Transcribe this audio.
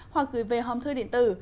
hoặc gửi về hòm thư điện tử